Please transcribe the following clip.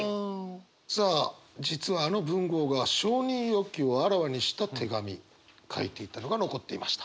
さあ実はあの文豪が承認欲求をあらわにした手紙書いていたのが残っていました。